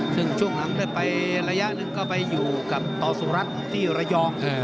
ซึ่งช่วงนั้นไประยะนึงก็ไปอยู่กับต่อสุรรัติที่ระยอง